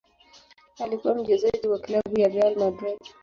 Alikuwa mchezaji wa klabu ya Real Madrid.